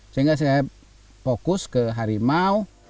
sehingga saya fokus ke harimau